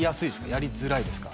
やりづらいですか？